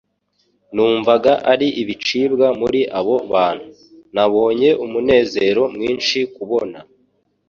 Numvaga ari ibicibwa muri abo bantu. Nabonye umunezero mwinshi kubona .